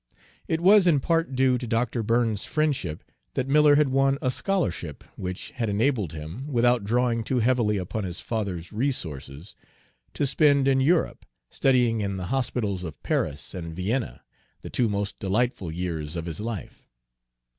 It was in part due to Dr. Burns's friendship that Miller had won a scholarship which had enabled him, without drawing too heavily upon his father's resources, to spend in Europe, studying in the hospitals of Paris and Vienna, the two most delightful years of his life.